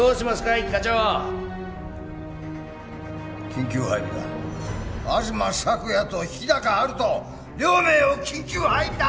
一課長緊急配備だ東朔也と日高陽斗両名を緊急配備だ！